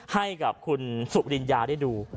ให้กับคุณสุริญญาได้ดู